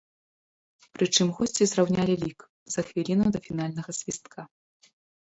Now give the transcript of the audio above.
Прычым госці зраўнялі лік за хвіліну да фінальнага свістка.